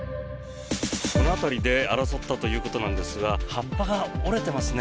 この辺りで争ったということなんですが葉っぱが折れてますね。